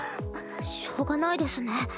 しょうがないですね。